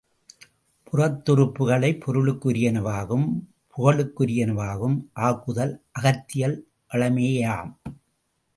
புறத்துறுப்புக்களைப் பொருளுக்கு உரியனவாகவும் புகழுக்குறியனவாகவும் ஆக்குதல் அகத்தியல் வளமையேயாம்.